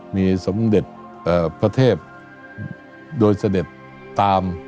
มีสมเด็จพระเทพโดยเสด็จตาม